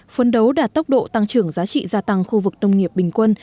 phấn đấu đạt tốc độ tăng trưởng giá trị gia tăng khu vực nông nghiệp bình quân